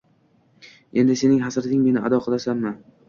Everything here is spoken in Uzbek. Endi sening hasrating Meni ado qilmasmi?